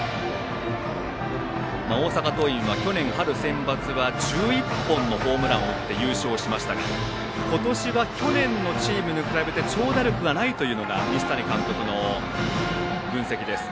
大阪桐蔭は去年、春センバツは１１本のホームランを打って優勝しましたが今年は、去年のチームに比べて長打力がないというのが西谷監督の分析です。